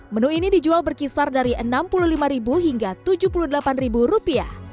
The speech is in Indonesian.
menu ini dijual berkisar dari rp enam puluh lima hingga rp tujuh puluh delapan